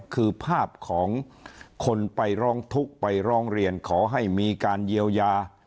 คือภาพของคนไปร้องทุกข์ไปร้องเรียนขอให้มีการเยียวยา